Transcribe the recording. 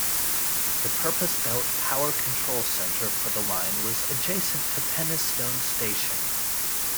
The purpose-built power control centre for the line was adjacent to Penistone station.